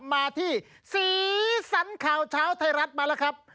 มาที่สีสันข่าวเช้าไทยรัฐมาแล้วครับ